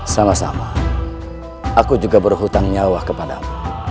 sama sama aku juga berhutang nyawa kepadamu